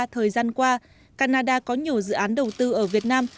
thời gian qua canada có nhiều dự án đầu tư ở việt nam